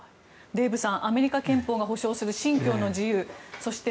デーブさんアメリカ憲法が保障する信教の自由そして、